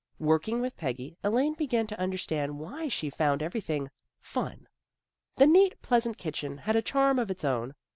Working with Peggy, Elaine began to under stand why she found everything " fun." The neat, pleasant kitchen had a charm of its own.